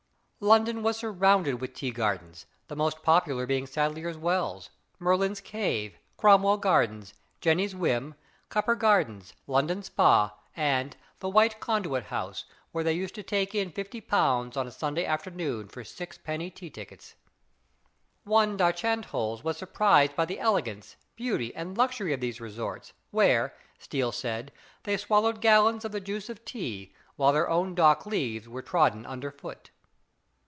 London was surrounded with tea gardens, the most popular being Sadlier's Wells, Merlin's Cave, Cromwell Gardens, Jenny's Whim, Cuper Gardens, London Spa, and the White Conduit House, where they used to take in fifty pounds on a Sunday afternoon for sixpenny tea tickets. One D'Archenholz was surprised by the elegance, beauty, and luxury of these resorts, where, Steele said, they swallowed gallons of the juice of tea, while their own dock leaves were trodden under foot.